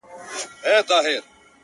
قاسم یار له زر پرستو بېل په دې سو